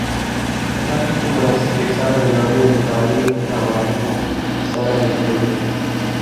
په تاریخ کې مناسک انسان له نړۍ او متعالي عوالمو سره نښلوي.